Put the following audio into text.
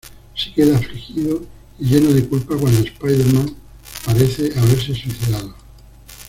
Se queda afligido y lleno de culpa cuando Spider-Man parece haberse suicidado.